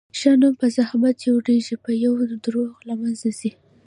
ښه نوم په زحمت جوړېږي، په یوه دروغ له منځه ځي.